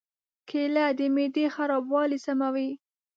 کېله د معدې خرابوالی سموي.